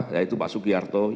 yaitu pak sukyarto